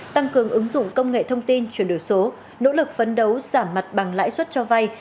tăng cường ứng dụng công nghệ thông tin chuyển đổi số nỗ lực phấn đấu giảm mặt bằng lãi suất cho vay